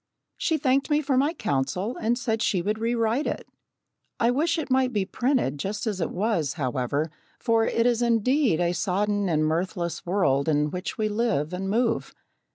She thanked me for my counsel and said she would rewrite it. I wish it might be printed just as it was, however, for it is indeed a sodden and mirthless world in which we live and move.